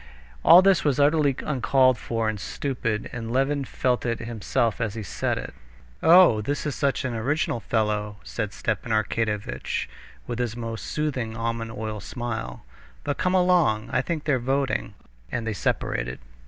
All this was utterly uncalled for and stupid, and Levin felt it himself as he said it. "Oh, this is such an original fellow!" said Stepan Arkadyevitch with his most soothing, almond oil smile. "But come along; I think they're voting...." And they separated.